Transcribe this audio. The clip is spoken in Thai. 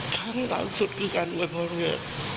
ครั้งหลังสุดคือการอวยพร